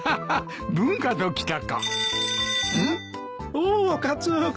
おおカツオ君。